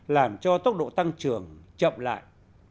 làm cho tốc độ tăng trưởng chậm lại